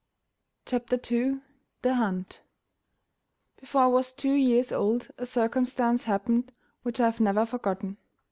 CHAPTER II THE HUNT Before I was two years old a circumstance happened which I have never forgotten.